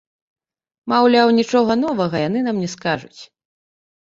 Маўляў, нічога новага яны нам не скажуць.